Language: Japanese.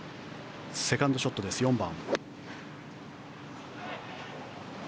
セカンドショットです、４番。